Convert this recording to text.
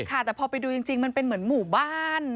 ค่ะแต่พอไปดูจริงมันเป็นเหมือนหมู่บ้าน